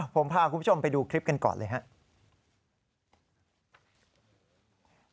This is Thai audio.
ผมพาคุณผู้ชมไปดูคลิปกันก่อนเลยครับ